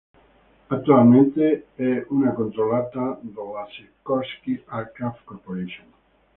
Attualmente è una controllata della Sikorsky Aircraft Corporation.